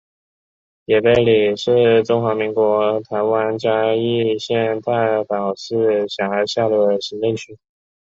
旧埤里是中华民国台湾嘉义县太保市辖下的行政区。